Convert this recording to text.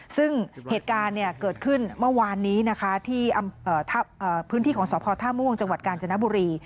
ซึ่งเหตุการณ์เกิดขึ้นเมื่อวานนี้นะคะที่พื้นที่ของสพท่าม่วงจังหวัดกาญจนบุรี